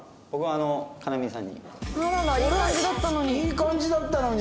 あららいい感じだったのに。